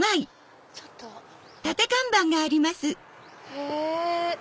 へぇ。